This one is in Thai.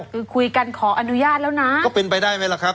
คือคุยกันขออนุญาตแล้วนะก็เป็นไปได้ไหมล่ะครับ